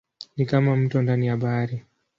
Ni kama mto ndani ya bahari.